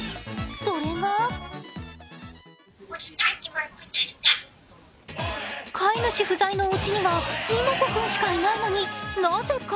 それが飼い主不在のおうちには、妹子君しかいないのに、なぜか